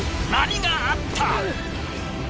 何があった！？